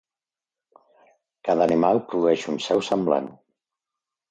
Cada animal produeix un seu semblant.